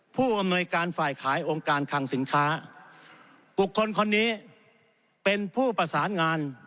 ผู้อำนวยการฝ่ายขายองค์การคังสินค้าบุคคลคนนี้เป็นผู้ประสานงาน